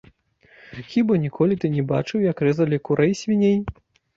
Хіба ніколі ты не бачыў, як рэзалі курэй, свіней.